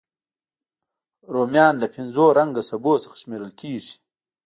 رومیان له پینځه رنګه سبو څخه شمېرل کېږي